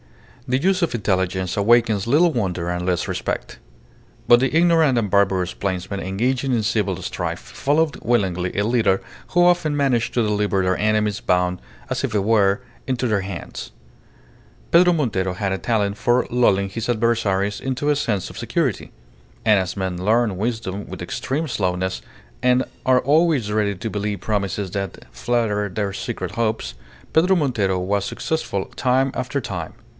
The use of intelligence awakens little wonder and less respect. But the ignorant and barbarous plainsmen engaging in civil strife followed willingly a leader who often managed to deliver their enemies bound, as it were, into their hands. Pedro Montero had a talent for lulling his adversaries into a sense of security. And as men learn wisdom with extreme slowness, and are always ready to believe promises that flatter their secret hopes, Pedro Montero was successful time after time.